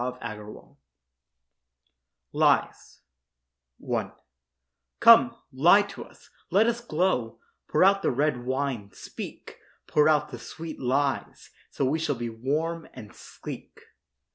LIES I Come, lie to us, let us glow; Pour out the red wine; speak; Pour out the sweet lies—so We shall be warm and sleek.